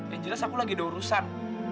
yang jelas aku lagi ada urusan